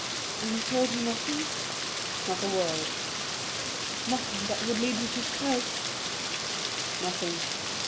"And he told you nothing?" "Not a word." "Nothing that would lead you to suppose?" "Nothing."